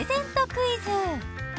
クイズ